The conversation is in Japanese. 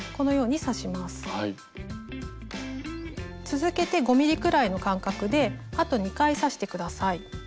続けて５ｍｍくらいの間隔であと２回刺して下さい。